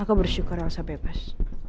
aku bersyukur elsa bebas